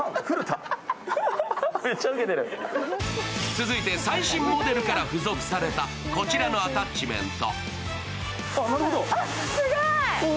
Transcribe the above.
続いて最新モデルから付属されたこちらのアタッチメント。